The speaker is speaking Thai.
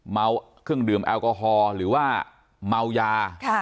เมาเครื่องดื่มแอลกอฮอล์หรือว่าเมายา